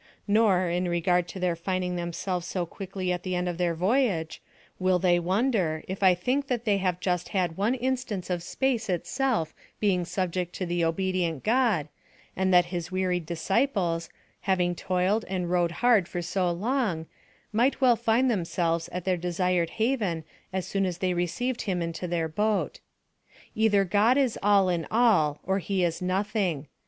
Nor, in regard to their finding themselves so quickly at the end of their voyage, will they wonder if I think that we may have just one instance of space itself being subject to the obedient God, and that his wearied disciples, having toiled and rowed hard for so long, might well find themselves at their desired haven as soon as they received him into their boat. Either God is all in all, or he is nothing.